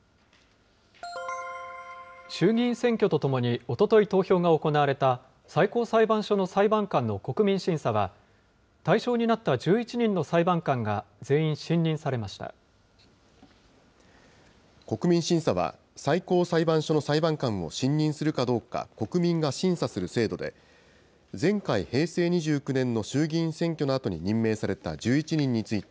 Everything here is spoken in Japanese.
衆議院選挙とともにおととい投票が行われた、最高裁判所の裁判官の国民審査は、対象になった１１人の裁判官が、国民審査は、最高裁判所の裁判官を信任するかどうか国民が審査する制度で、前回・平成２９年の衆議院選挙のあとに任命された１１人について、